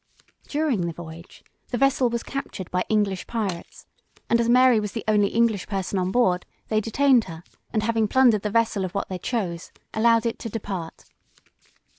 During the voyage, the vessel was captured by English pirates, and as Mary was the only English person on board, they detained her, and having plundered the vessel of what they chose, allowed it to depart.